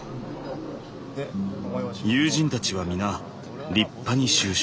友人たちは皆立派に就職。